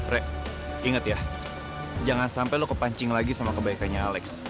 rek ingat ya jangan sampai lo kepancing lagi sama kebaikannya alex